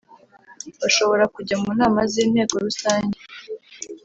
Bashobora kujya mu nama z Inteko Rusange